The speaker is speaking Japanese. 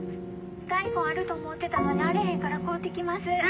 大根あると思てたのにあれへんから買うてきます。